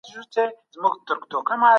ښځې هم د علم په زده کړه کي برخمنې دي.